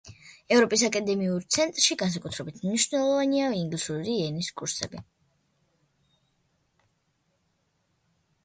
ევროპის აკადემიურ ცენტრში განსაკუთრებით მნიშვნელოვანია ინგლისური ენის კურსები.